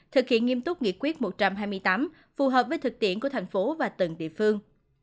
thực hiện nghiêm túc nghị quyết một trăm hai mươi tám phù hợp với thực tiễn của thành phố và từng địa phương